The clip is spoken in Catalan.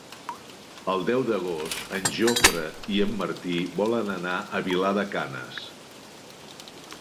El deu d'agost en Jofre i en Martí volen anar a Vilar de Canes.